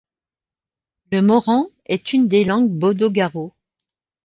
Le moran est une des langues bodo-garo.